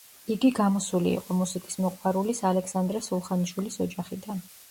იგი გამოსული იყო მუსიკის მოყვარულის ალექსანდრე სულხანიშვილის ოჯახიდან.